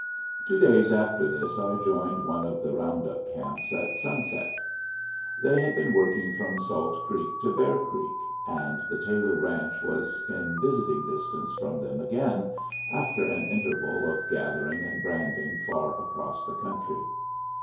Two days after this I joined one of the roundup camps at sunset. They had been working from Salt Creek to Bear Creek, and the Taylor ranch was in visiting distance from them again, after an interval of gathering and branding far across the country.